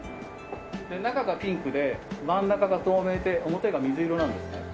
中がピンクで真ん中が透明で表が水色なんですね。